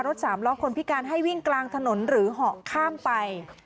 สามล้อคนพิการให้วิ่งกลางถนนหรือเหาะข้ามไป